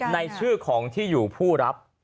ในชื่อของที่อยู่ผู้รับ